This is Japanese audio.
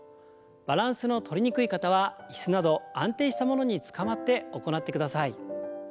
バランスのとりにくい方は椅子など安定したものにつかまって行ってください。